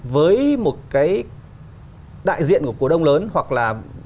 với một cái đại diện của cổ đông lớn hoặc là